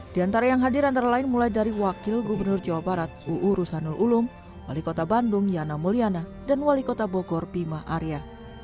di antara yang hadir antara lain mulai dari wakil gubernur jawa barat uu rusanul ulum wali kota bandung yana mulyana dan wali kota bogor bima arya